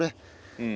うん。